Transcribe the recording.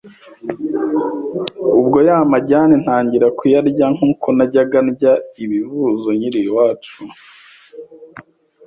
ubwo ya majyane ntangira kuyarya nk’uko najyaga ndya ibivuzo nkiri iwacu.